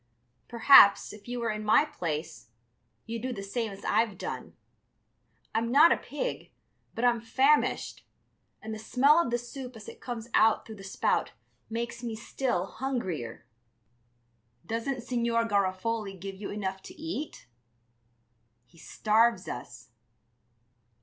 Perhaps, if you were in my place, you'd do the same as I've done. I'm not a pig, but I'm famished, and the smell of the soup as it comes out through the spout makes me still hungrier." "Doesn't Signor Garofoli give you enough to eat?" "He starves us...."